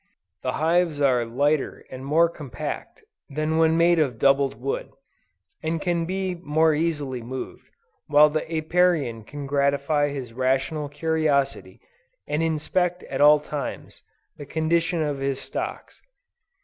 The hives are lighter and more compact, than when made of doubled wood, and can be more easily moved, while the Apiarian can gratify his rational curiosity, and inspect at all times, the condition of his stocks.